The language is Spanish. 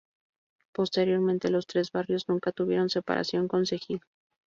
Posteriormente los tres barrios nunca tuvieron separación concejil.